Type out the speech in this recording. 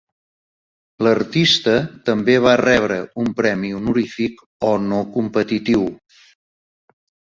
L'artista també va rebre un premi honorífic o no competitiu.